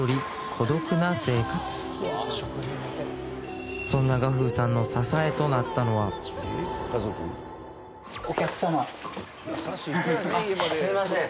孤独な生活そんな雅楓さんの支えとなったのはあっすいません